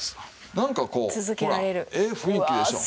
なんかこうほらええ雰囲気でしょう。